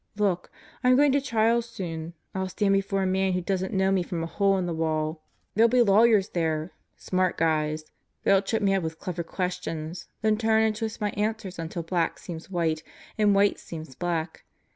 Look. I'm going to trial soon. I'll stand before a man who doesn't know me from a hole in the wall. There'll be lawyers there. 36 God Goes to Murderer's Row Smart guys. They'll trip me up with clever questions; then turn and twist my answers until black seems white and white seems black.